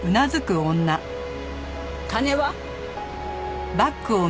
金は？